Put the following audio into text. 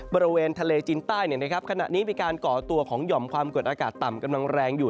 บริเวณทะเลจีนใต้ขณะนี้มีการก่อตัวของหย่อมความกดอากาศต่ำกำลังแรงอยู่